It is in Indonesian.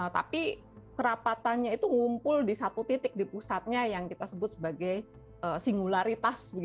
tapi kerapatannya itu ngumpul di satu titik di pusatnya yang kita sebut sebagai singularitas